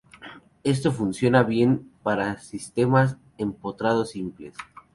Esto funciona bien para sistemas empotrados simples.